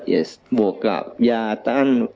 ยาต้านไวรัสบวกกับ